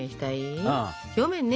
表面ね